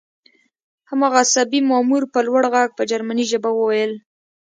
هماغه عصبي مامور په لوړ غږ په جرمني ژبه وویل